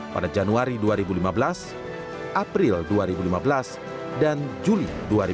pada januari dua ribu lima belas april dua ribu lima belas dan juli dua ribu delapan belas